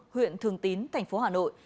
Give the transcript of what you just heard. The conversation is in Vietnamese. huyện thường tín thành phố hà nội